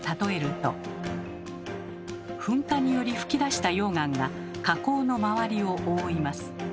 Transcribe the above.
噴火により噴き出した溶岩が火口の周りを覆います。